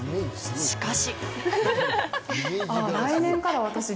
しかし。